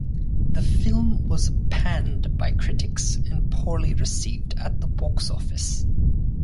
The film was panned by critics, and poorly received at the box office.